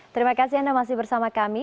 terima kasih anda masih bersama kami